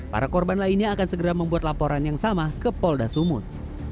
para korban lainnya akan segera membuat laporan yang sama ke polda sumut